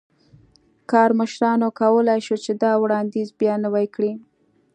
کارمشرانو کولای شول چې دا وړاندیز بیا نوی کړي.